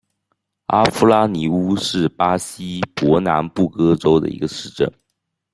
阿夫拉尼乌是巴西伯南布哥州的一个市镇。